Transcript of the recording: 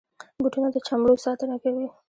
بوټونه د چمړو ساتنه کوي.